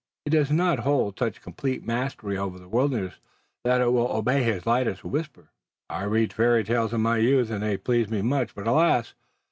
He does not hold such complete mastery over the wilderness that it will obey his lightest whisper. I read fairy tales in my youth and they pleased me much, but alas!